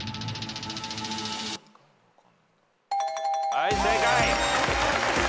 はい正解。